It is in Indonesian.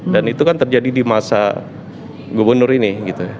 dan itu kan terjadi di masa gubernur ini gitu ya